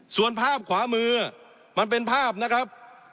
ส่วนภาพขวามือมันเป็นภาพนะครับ